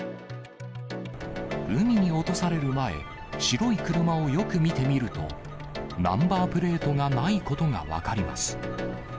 海に落とされる前、白い車をよく見てみると、ナンバープレートがないことが分かります。